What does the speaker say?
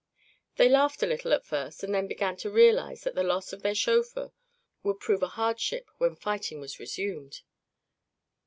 They laughed a little at first and then began to realize that the loss of their chauffeur would prove a hardship when fighting was resumed.